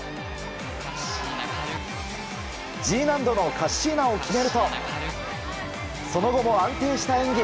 Ｇ難度のカッシーナを決めるとその後も安定した演技。